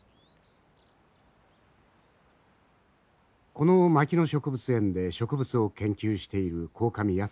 この牧野植物園で植物を研究している鴻上泰さん。